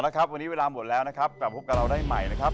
แล้วครับวันนี้เวลาหมดแล้วนะครับกลับพบกับเราได้ใหม่นะครับ